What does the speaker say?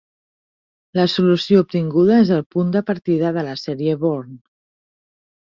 La solució obtinguda és el punt de partida de la sèrie Born.